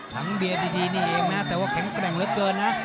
ถังเบียร์ดีนี่เองนะแต่ว่าแข็งแกร่งเหลือเกินนะ